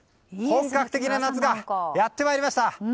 本格的な夏がやってまいりました。